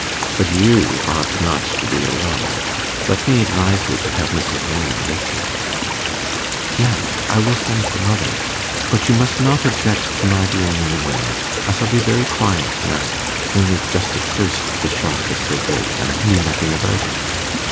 But you ought not to be alone; let me advise you to have Mrs. Raynor with you.' 'Yes, I will send for mother. But you must not object to my being in the room. I shall be very quiet now, only just at first the shock was so great; I knew nothing about it.